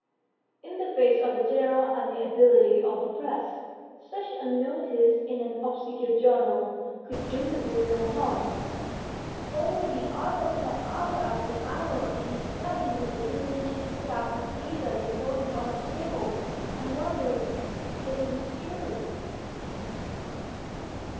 In the face of the general amiability of the Press, such a notice in an obscure journal could do the book no harm. Only the author sat hour after hour in his study with that diminutive scrap of paper before him on the table, and wondered if it was true.